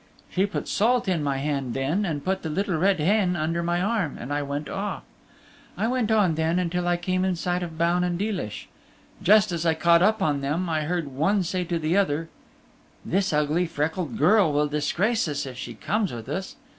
She put salt in my hand then, and put the Little Red Hen under my arm, and I went off. I went on then till I came in sight of Baun and Deelish. Just as I caught up on them I heard one say to the other, "This ugly, freckled girl will disgrace us if she comes with us."